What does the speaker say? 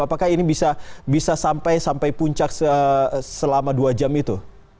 apakah ini bisa sampai puncak selama dua jam itu